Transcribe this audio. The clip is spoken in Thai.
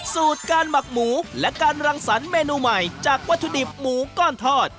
สูตรการหมักหมูและการรังสรรคเมนูใหม่จากวัตถุดิบหมูก้อนทอด